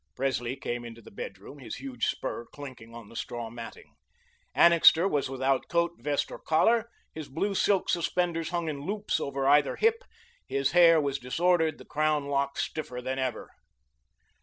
Presley came into the bedroom, his huge spur clinking on the straw matting. Annixter was without coat, vest or collar, his blue silk suspenders hung in loops over either hip, his hair was disordered, the crown lock stiffer than ever.